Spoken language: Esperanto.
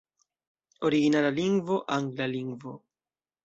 Originala lingvo: angla lingvo.